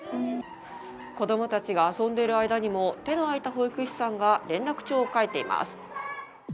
子供たちが遊んでいる間にも手が空いた保育士さんが連絡帳を書いています。